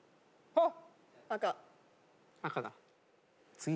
あっ！